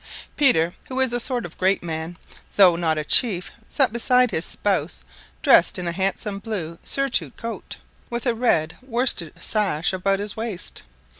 Peter, who is a sort of great man, though not a chief, sat beside his spouse, dressed in a handsome blue surtout coat, with a red worsted sash about his waist.